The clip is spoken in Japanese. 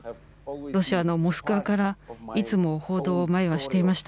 ロシアのモスクワからいつも報道を前はしていました。